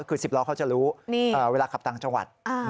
คือ๑๐ล้อเขาจะรู้เวลาขับต่างจังหวัด